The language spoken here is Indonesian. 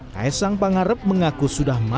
kaisang pangare mengaku sudah mantap